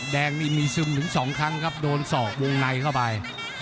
แดงนี่มีซึมถึงสองครั้งครับโดนศอกวงในเข้าไป